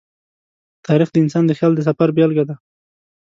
تاریخ د انسان د خیال د سفر بېلګه ده.